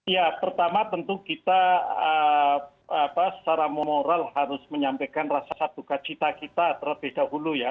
ya pertama tentu kita secara moral harus menyampaikan rasa duka cita kita terlebih dahulu ya